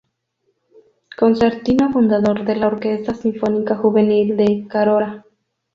Concertino fundador de la Orquesta Sinfónica Juvenil de Carora.